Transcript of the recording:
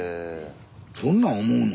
そんなん思うの？